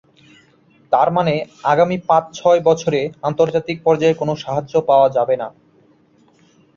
তার মানে আগামী পাঁচ-ছয় বছরে আন্তর্জাতিক পর্যায়ে কোনো সাহায্য পাওয়া যাবে না।